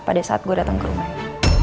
pada saat gue datang ke rumahnya